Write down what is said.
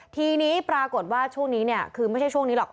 ทีนี้ปรากฏว่าช่วงนี้เนี่ยคือไม่ใช่ช่วงนี้หรอก